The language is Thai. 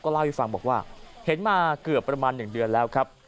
เล่าให้ฟังบอกว่าเห็นมาเกือบประมาณ๑เดือนแล้วครับ